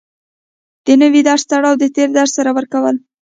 د نوي درس تړاو د تېر درس سره ورکول